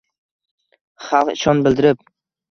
Xalq ishonch bildirib